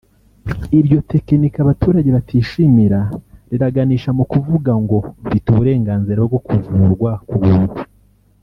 Iryo tekinika abaturage batishimira riraganisha mu kuvuga ngo mfite uburenganzira bwo kuvurwa ku buntu